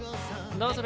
どうする？